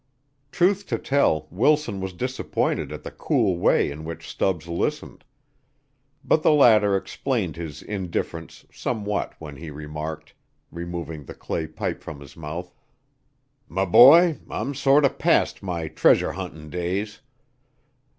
Truth to tell, Wilson was disappointed at the cool way in which Stubbs listened. But the latter explained his indifference somewhat when he remarked, removing the clay pipe from his mouth: "M' boy, I'm sorter past my treasure hunting days.